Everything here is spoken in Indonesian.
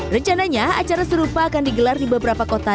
rencananya acara serupa akan digelar di beberapa kota